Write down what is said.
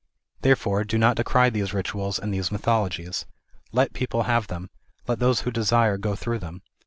Therefore, do not decry these rituals and these mythologies. Let people have them; let those who desire go through them.